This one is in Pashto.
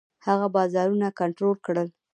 هغه بازارونه کنټرول کړل.